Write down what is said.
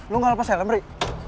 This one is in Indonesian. lo ga lepas ya lemri